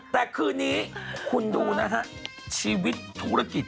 แต่คืนนี้คุณดูนะฮะชีวิตธุรกิจ